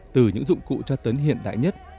từ những dụng cụ tra tấn hiện đại nhất